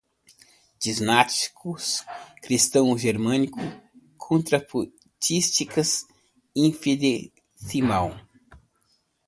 Dinástico, cristão-germânico, contrapontística, infinitesimal